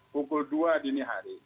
pukul dua dini hari